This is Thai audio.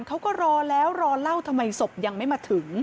เขาก็รอแล้วรอเล่าทำไมศพยังไม่มาถึง